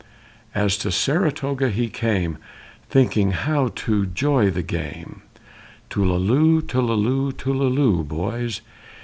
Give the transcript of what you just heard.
As to Sa ra tog' he came, thinking how to jo the game, Tullalo, tullalo, tullalo, boys!